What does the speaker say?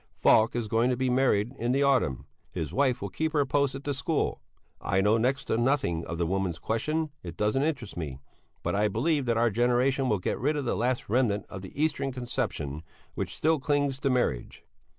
Falk is going to be married in the autumn. His wife will keep her post at the school. I know next to nothing of the Woman's Question it doesn't interest me but I believe that our generation will get rid of the last remnant of the Eastern conception which still clings to marriage.